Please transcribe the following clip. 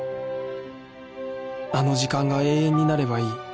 あの時間が永遠になればいい。